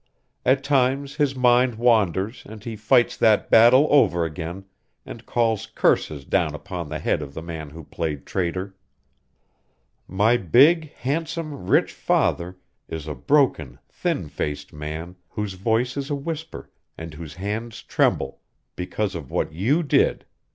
At times his mind wanders and he fights that battle over again and calls curses down upon the head of the man who played traitor! My big, handsome, rich father is a broken, thin faced man whose voice is a whisper and whose hands tremble because of what you did.